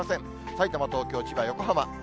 さいたま、東京、千葉、横浜。